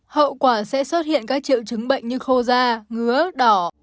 hậu quả sẽ xuất hiện các triệu chứng bệnh như khô da ngứa đỏ